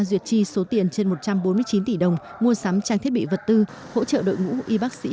duyệt chi số tiền trên một trăm bốn mươi chín tỷ đồng mua sắm trang thiết bị vật tư hỗ trợ đội ngũ y bác sĩ